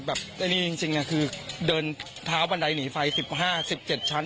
ไอ้นี่จริงคือเดินเท้าบันไดหนีไฟ๑๕๑๗ชั้น